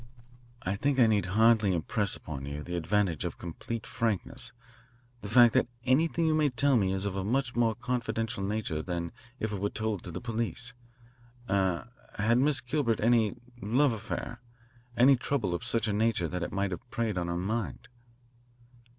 "I think I need hardly impress upon you the advantage of complete frankness, the fact that anything you may tell me is of a much more confidential nature than if it were told to the police. Er r, had Miss Gilbert any love affair, any trouble of such a nature that it might have preyed on her mind?"